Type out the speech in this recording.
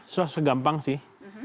susah segampang sih